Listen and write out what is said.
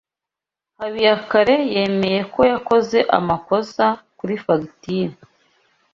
Habiyakare yemeye ko yakoze amakosa kuri fagitire.